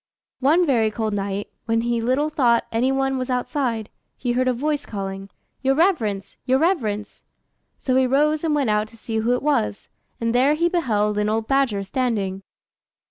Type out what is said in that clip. ] One very cold night, when he little thought any one was outside, he heard a voice calling "Your reverence! your reverence!" So he rose and went out to see who it was, and there he beheld an old badger standing.